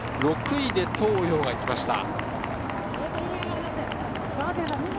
６位で東洋が来ました。